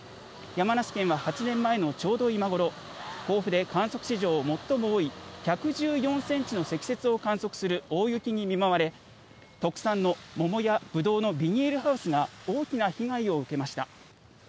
山梨県は８年前のちょうど今ごろ、甲府で観測史上最も多い１１４センチの積雪を観測する大雪に見舞われ、特産のモモやブドウのビニールハウスが大きな被害を受けました。